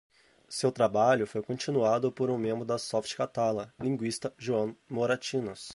Seu trabalho foi continuado por um membro da Softcatalà, linguista Joan Moratinos.